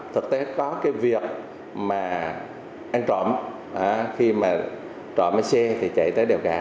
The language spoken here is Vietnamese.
thực tế có cái việc mà anh trộm khi mà trộm máy xe thì chạy tới đèo cả